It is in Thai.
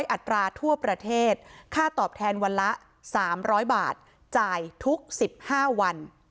อัตราทั่วประเทศค่าตอบแทนวันละ๓๐๐บาทจ่ายทุก๑๕วัน